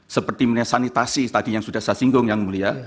seperti misalnya sanitasi tadi yang sudah saya singgung yang mulia